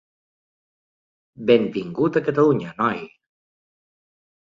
Benvingut a Catalunya, noi.